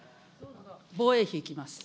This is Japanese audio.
防衛費いきます。